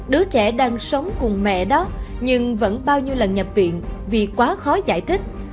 đứa trẻ đang sống cùng mẹ đó nhưng vẫn bao nhiêu lần nhập viện vì quá khó giải thích